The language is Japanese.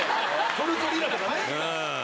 ・トルコリラとかね。